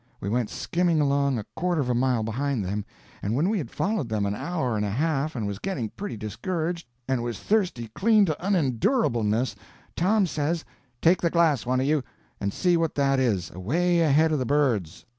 We went skimming along a quarter of a mile behind them, and when we had followed them an hour and a half and was getting pretty discouraged, and was thirsty clean to unendurableness, Tom says: "Take the glass, one of you, and see what that is, away ahead of the birds."